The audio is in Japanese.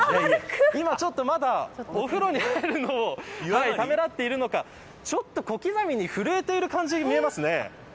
まだ、お風呂に入るのをためらっているのかちょっと小刻みに震えている感じに見えますね。